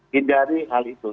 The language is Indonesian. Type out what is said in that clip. hindari hal itu